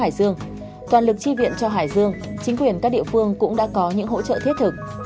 hải dương toàn lực tri viện cho hải dương chính quyền các địa phương cũng đã có những hỗ trợ thiết thực